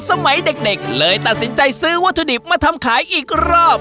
สมัยเด็กเลยตัดสินใจซื้อวัตถุดิบมาทำขายอีกรอบ